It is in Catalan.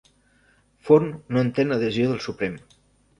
Forn no entén la decisió del Suprem